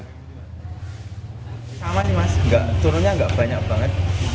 sama nih mas turunnya nggak banyak banget